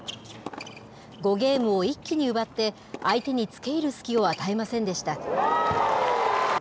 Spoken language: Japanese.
５ゲームを一気に奪って、相手につけいる隙を与えませんでした。